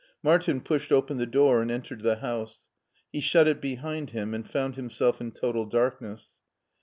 Martin pushed open the door and entered the house. He shut it behind him and found himself in total darkness.